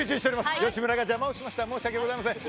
吉村が邪魔をしました申し訳ございません。